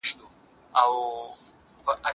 آن د هغې مالک هم حیران شو.